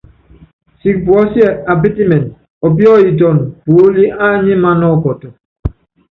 Siki puɔ́síɛ apítiminɛ ɔpíɔ́yitɔnɔ puólí ányímaná ɔkɔtɔ.